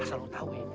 eh asal lo tau ya